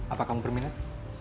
apa kamu berminat